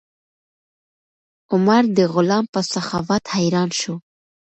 عمر د غلام په سخاوت حیران شو.